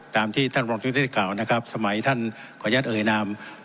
ตามที่ท่านพรรณชุนิกเทศเก่านะครับสมัยท่านกรยัสเอิญนาม